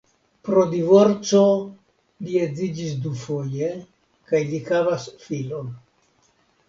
Pro divorco li edziĝis dufoje kaj li havis filon.